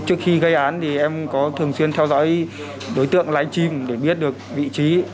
trước khi gây án thì em có thường xuyên theo dõi đối tượng lánh chim để biết được vị trí